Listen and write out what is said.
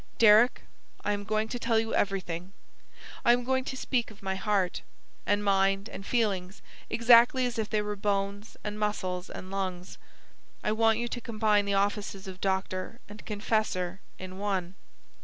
"Deryck, I am going to tell you everything. I am going to speak of my heart, and mind, and feelings, exactly as if they were bones, and muscles, and lungs. I want you to combine the offices of doctor and confessor in one."